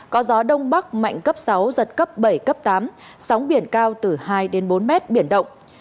có gió đông bắc mạnh cấp sáu giật cấp bảy cấp tám sóng biển cao từ hai đến bốn mét biển động